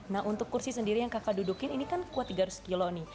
nah untuk kursi sendiri yang kakak dudukin ini kan kuat tiga ratus kilo nih